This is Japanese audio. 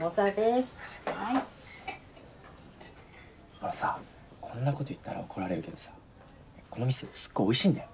あのさこんなこと言ったら怒られるけどさこの店すっごいおいしいんだよ